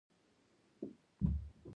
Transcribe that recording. ماغزه د بدن قوماندان دی